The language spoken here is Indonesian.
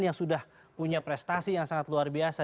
yang sudah punya prestasi yang sangat luar biasa